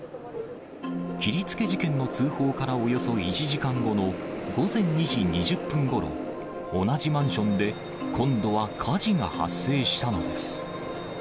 切りつけ事件の通報からおよそ１時間後の午前２時２０分ごろ、同じマンションで今度は火事が発生したのです。